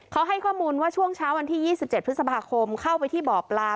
เขาให้ข้อมูลว่าช่วงเช้าวันที่๒๗พฤษภาคมเข้าไปที่บ่อปลา